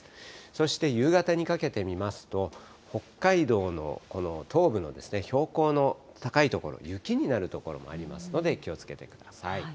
そして夕方にかけて見ますと、北海道のこの東部の標高の高い所、雪になる所もありますので、気をつけてください。